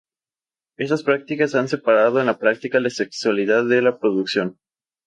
Estas prácticas han separado en la práctica la sexualidad de la reproducción.